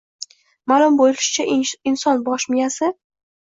Ma’lum bo‘lishicha, inson bosh miyasi